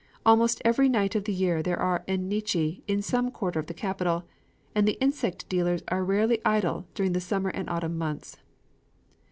Almost every night of the year there are en nichi in some quarter of the capital; and the insect sellers are rarely idle during the summer and autumn months.